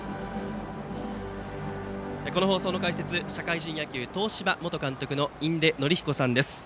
この放送の解説は社会人野球、東芝元監督の印出順彦さんです。